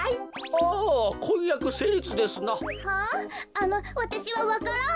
あのわたしはわか蘭を。